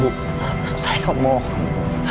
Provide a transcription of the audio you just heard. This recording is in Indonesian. ibu ibu saya mohon